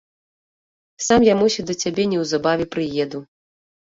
Сам я, мусіць, да цябе неўзабаве прыеду.